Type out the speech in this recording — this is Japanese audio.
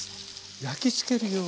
焼きつけるように。